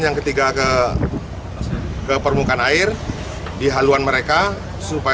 yang ketiga ke permukaan air di haluan mereka